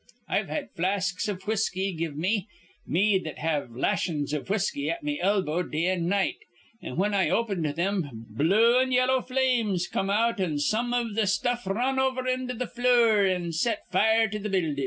I've had flasks iv whisky give me, me that have lashin's iv whisky at me elbow day an' night; an', whin I opined thim, blue an' yellow flames come out an' some iv th' stuff r run over on th' flure, an' set fire to th' buildin'.